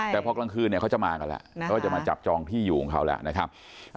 แต่พอกลางคืนเนี่ยเขาจะมากันแล้วเขาก็จะมาจับจองที่อยู่ของเขาแล้วนะครับ